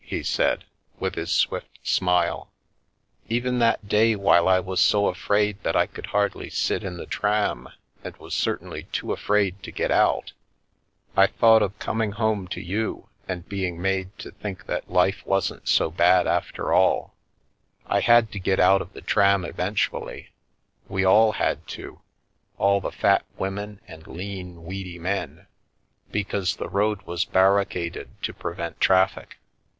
he said, with his swift smile. "Even that day while I was so afraid that I could hardly sit in the tram and was certainly too afraid to get out, I The Milky Way thought of coming home to you and being made to think that life wasn't so bad after alL I had to get out of the tram eventually — we all had to, all the fat women and lean, weedy men — because the road was barricaded to prevent traffic.